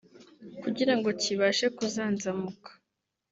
kugira ngo kibashe kuzanzamuka